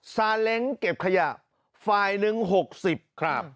ซาเล้งเก็บขยะฝ่ายหนึ่ง๖๐ครับ